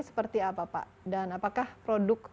seperti apa pak dan apakah produk